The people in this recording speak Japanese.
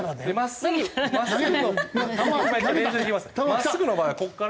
まっすぐの場合はここから。